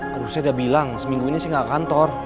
harusnya dia bilang seminggu ini sih nggak kantor